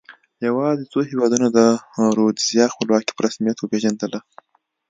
یوازې څو هېوادونو د رودزیا خپلواکي په رسمیت وپېژندله.